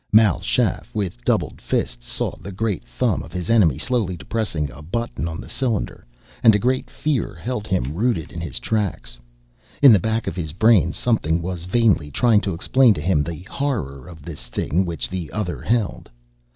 Mal Shaff, with doubled fists, saw the great thumb of his enemy slowly depressing a button on the cylinder, and a great fear held him rooted in his tracks. In the back of his brain something was vainly trying to explain to him the horror of this thing which the other held.